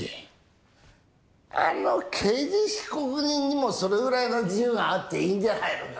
刑事被告人にもそれぐらいの自由があっていいんじゃないのか？